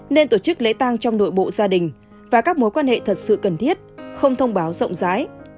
nên tổ chức lễ tang trong nội bộ gia đình và các mối quan hệ thật sự cần thiết không thông báo rộng rãi